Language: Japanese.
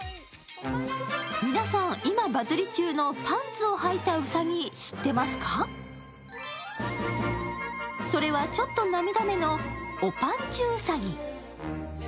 皆さん、今バズり中のパンツをはいたうさぎ、知っていますかはてそれはちょっと涙目のおぱんちゅうさぎ。